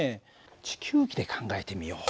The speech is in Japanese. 地球儀で考えてみよう。